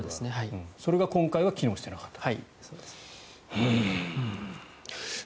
それが今回は機能していなかった。